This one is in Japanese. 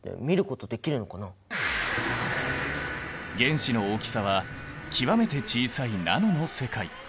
原子の大きさは極めて小さいナノの世界。